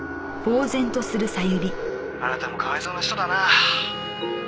「あなたもかわいそうな人だな」